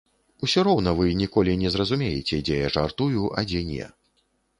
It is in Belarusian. Усё роўна вы ніколі не зразумееце, дзе я жартую, а дзе не.